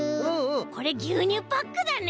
これぎゅうにゅうパックだね！